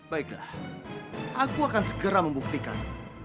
baiklah aku akan segera membuktikan